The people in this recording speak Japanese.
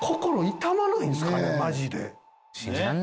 マジで。